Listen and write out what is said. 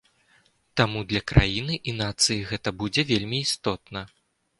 Таму для краіны і нацыі гэта будзе вельмі істотна.